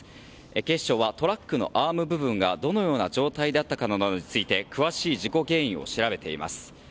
警視庁はトラックのアーム部分がどのような状態だったかなどについて詳しい事故原因を調べています。